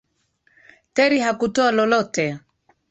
Terri hakutoa lolote